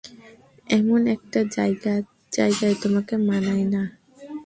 এমন একটা জায়গায় তোমাকে মানায় না।